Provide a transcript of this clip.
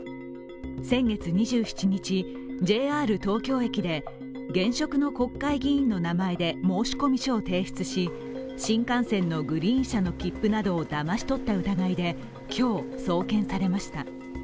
先月２７日、ＪＲ東京駅で現職の国会議員の名前で申込書を提出し新幹線のグリーン車の切符などをだまし取った疑いで今日、送検されました。